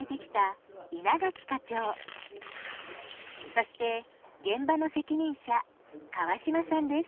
そして現場の責任者川島さんです。